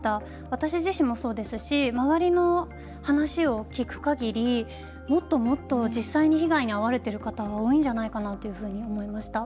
私自身もそうですし周りの話を聞くかぎりもっともっと実際に被害にあわれている方は多いんじゃないかなというふうに思いました。